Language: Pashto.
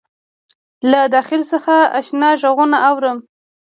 له داخل څخه آشنا غــږونه اورم